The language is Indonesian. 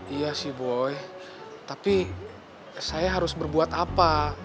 iya sih boy tapi saya harus berbuat apa